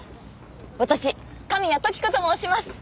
私神谷時子と申します！